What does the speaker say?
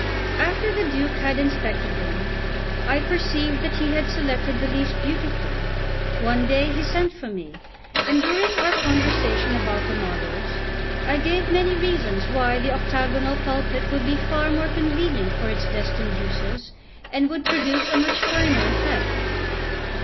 After the Duke had inspected them, I perceived that he had selected the least beautiful. One day he sent for me, and during our conversation about the models, I gave many reasons why the octagonal pulpit would be far more convenient for its destined uses, and would produce a much finer effect.